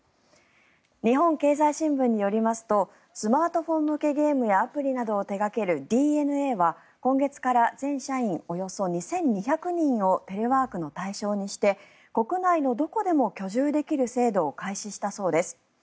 日本経済新聞によりますとスマートフォン向けゲームやアプリなどを手掛けるＤｅＮＡは、今月から全社員およそ２２００人をテレワークの対象にして国内のどこでも居住できる制度を開始したそうです。